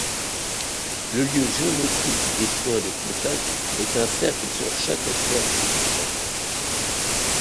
Le lieu géométrique des points de contact est un cercle sur chaque sphère fixe.